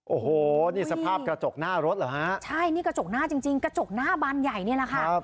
โอ้โหนี่สภาพกระจกหน้ารถเหรอฮะใช่นี่กระจกหน้าจริงกระจกหน้าบานใหญ่นี่แหละค่ะ